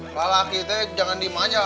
lala kita jangan dimanya neng